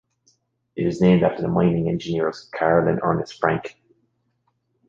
It is named after the mining engineers, Carl and Ernest Francke.